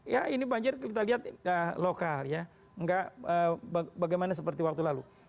ya ini banjir kita lihat lokal ya nggak bagaimana seperti waktu lalu